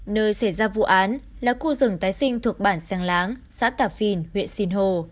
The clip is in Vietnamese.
nơi xảy ra vụ án là khu rừng tái sinh thuộc bản sàng lãng xã tạp phìn huyện sinh hồ